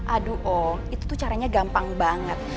aduh oh itu tuh caranya gampang banget